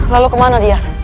lalu kemana dia